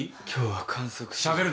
今日は観測史上。